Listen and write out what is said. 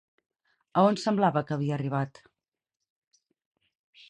A on semblava que havia arribat?